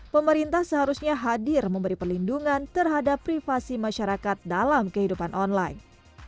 pemerintah seharusnya hadir memberi perlindungan terhadap privasi masyarakat dalam kehidupan online